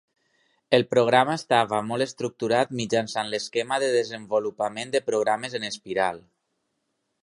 El programa estava molt estructurat mitjançant l'esquema de desenvolupament de programes en espiral.